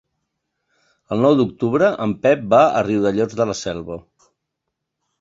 El nou d'octubre en Pep va a Riudellots de la Selva.